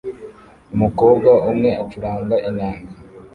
Umukobwa umwe acuranga inanga